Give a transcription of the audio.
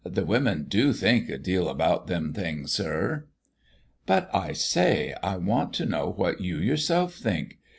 The women do think a deal about them things, sir." "But, I say, I want to know what you yourself think.